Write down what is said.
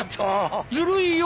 ずるいよ